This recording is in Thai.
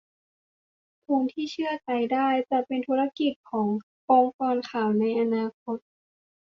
ข้อมูลที่เชื่อใจได้ จะเป็นธุรกิจขององค์กรข่าวในอนาคต